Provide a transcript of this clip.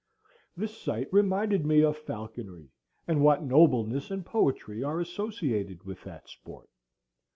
This sight reminded me of falconry and what nobleness and poetry are associated with that sport.